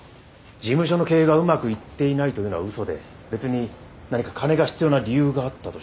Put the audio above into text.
事務所の経営がうまくいっていないというのは嘘で別に何か金が必要な理由があったとしたら。